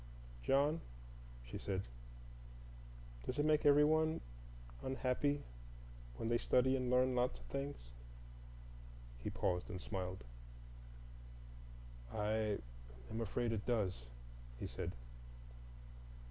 "John," she said, "does it make every one—unhappy when they study and learn lots of things?" He paused and smiled. "I am afraid it does," he said.